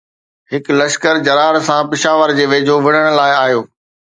هڪ لشڪر جرار سان پشاور جي ويجهو وڙهڻ لاءِ آيو